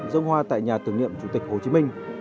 dân hoa tại nhà tưởng niệm chủ tịch hồ chí minh